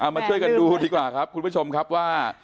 มาช่วยกันดูดีกว่าครับคุณผู้ชมครับว่า